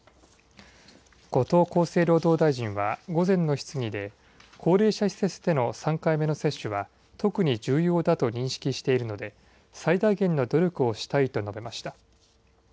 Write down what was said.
後藤厚生労働大臣は午前の質疑で、高齢者施設での３回目の接種は、特に重要だと認識しているので、最大限の努力をしたいと述べました。